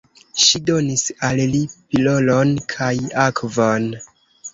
Ŝi donis al li pilolon kaj akvon.